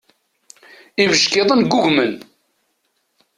Ibeckiḍen ggugmen.